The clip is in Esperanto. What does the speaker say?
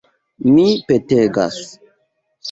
Mi petegas!